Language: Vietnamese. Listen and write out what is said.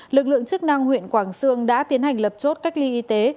lực lượng chức năng huyện quảng sương đã tiến hành lập chốt cách ly y tế